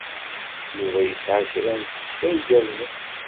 Yuba yesɛa kra n tekta igerrzen.